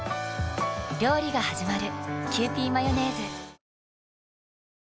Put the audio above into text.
料理がはじまる。